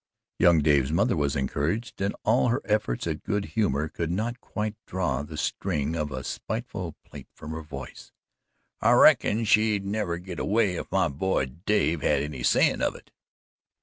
Young Dave's mother was encouraged and all her efforts at good humour could not quite draw the sting of a spiteful plaint from her voice. "I reckon she'd never git away, if my boy Dave had the sayin' of it."